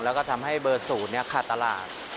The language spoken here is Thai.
และก็ทำให้เบอร์ศูนย์ขาดตลาด